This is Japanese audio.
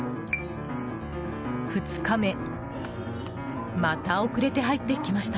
２日目また遅れて入ってきました。